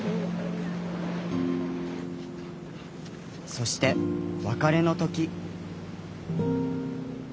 そして別れの時。